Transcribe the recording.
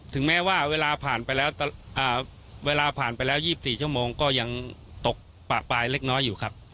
ถึงแม้ว่าเวลาผ่านไปแล้ว๒๔ชั่วโมงก็ยังตกปากปลายเล็กน้อยอยู่ครับ